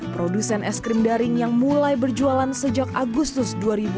produsen es krim daring yang mulai berjualan sejak agustus dua ribu dua puluh